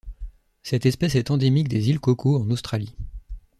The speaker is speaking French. Cette espèce est endémique des îles Cocos en Australie.